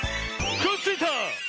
くっついた！